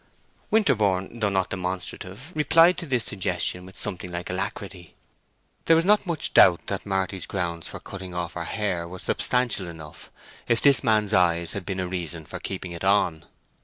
Winterborne, though not demonstrative, replied to this suggestion with something like alacrity. There was not much doubt that Marty's grounds for cutting off her hair were substantial enough, if Ambrose's eyes had been a reason for keeping it on.